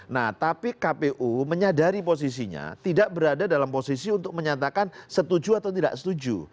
nah tapi kpu menyadari posisinya tidak berada dalam posisi untuk menyatakan setuju atau tidak setuju